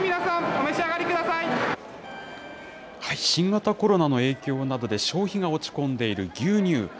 新型コロナの影響などで消費が落ち込んでいる牛乳。